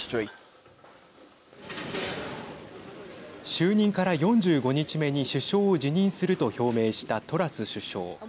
就任から４５日目に首相を辞任すると表明したトラス首相。